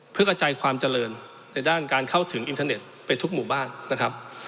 เพื่อกระจายความเจริญในด้านการเข้าถึงอินเทอร์เน็ตไปทุกหมู่บ้านนะครับ